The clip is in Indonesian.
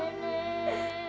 kak aini om